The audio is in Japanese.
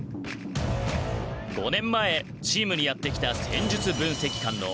５年前チームにやって来た戦術分析官の龍岡歩さんだ。